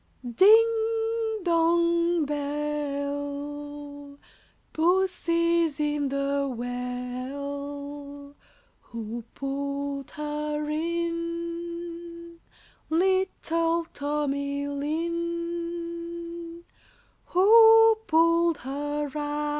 ] Ding Dong Bell, Pussy's in the well. Who put her in? Little Tommy Lin. Who pulled her out?